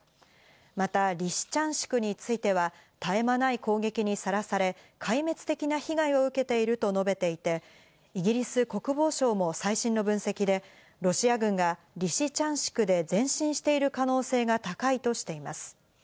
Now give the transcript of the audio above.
また、リシチャンシクについては、絶え間ない攻撃にさらされ、壊滅的な被害を受けていると述べていて、イギリス国防省も最新の分析で、ロシア軍がリシチャンシクで前進している可能性が高いとしています。